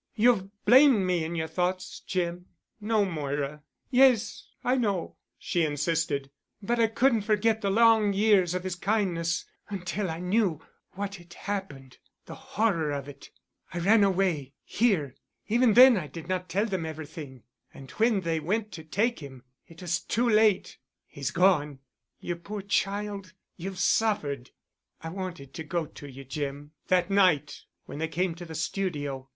You've blamed me in your thoughts, Jim——" "No, Moira——" "Yes, I know," she insisted, "but I couldn't forget the long years of his kindness—until I knew what—what had happened—the horror of it. I ran away—here. Even then I did not tell them everything. And when they went to take him, it was too late. He's gone." "You poor child. You've suffered——" "I wanted to go to you, Jim—that night when they came to the studio.